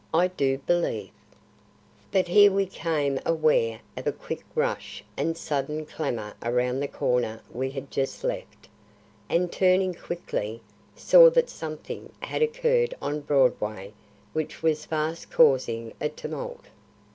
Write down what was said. I do believe " But here we became aware of a quick rush and sudden clamour around the corner we had just left, and turning quickly, saw that something had occurred on Broadway which was fast causing a tumult.